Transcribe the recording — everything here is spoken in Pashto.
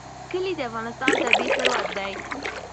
کلي د افغانستان طبعي ثروت دی.